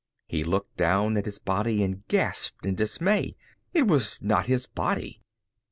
He looked down at his body and gasped in dismay. It was not his body!